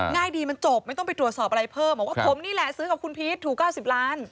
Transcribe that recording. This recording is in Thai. ง่ายดีมันจบไม่ต้องไปตรวจสอบอะไรเพิ่มบอกว่าผมนี่แหละซื้อกับคุณพีชถูก๙๐ล้าน